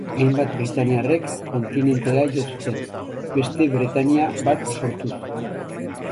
Hainbat britainiarrek kontinentera jo zuten, beste Bretainia bat sortuz.